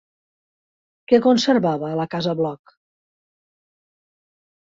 Què conservava la casa Bloc?